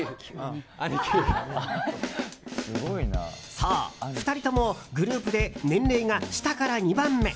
そう、２人ともグループで年齢が下から２番目。